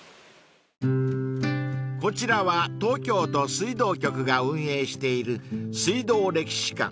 ［こちらは東京都水道局が運営している水道歴史館］